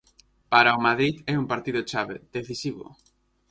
Para o Madrid é un partido chave, decisivo.